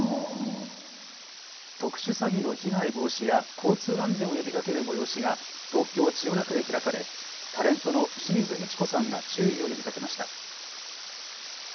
特殊詐欺の被害防止や交通安全を呼びかける催しが東京千代田区で開かれタレントの清水ミチコさんが注意を呼びかけました。